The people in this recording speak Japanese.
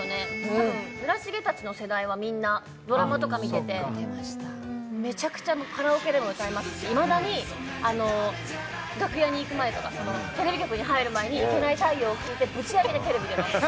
多分村重達の世代はみんなドラマとか見ててあっそっかめちゃくちゃカラオケでも歌いますいまだにあの楽屋に行く前とかテレビ局に入る前に「イケナイ太陽」を聴いてブチ上げでテレビ出ます